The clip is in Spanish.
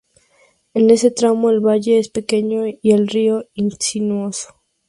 En ese tramo, el valle es pequeño y el río es sinuoso.